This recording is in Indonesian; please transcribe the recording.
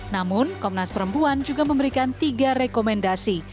namun komnas perempuan juga memberikan tiga rekomendasi